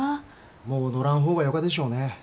もう乗らん方がよかでしょうね。